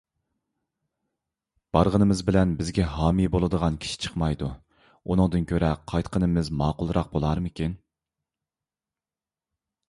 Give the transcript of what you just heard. بارغىنىمىز بىلەن بىزگە ھامىي بولىدىغان كىشى چىقمايدۇ، ئۇنىڭدىن كۆرە قايتقىنىمىز ماقۇلراق بولارمىكىن؟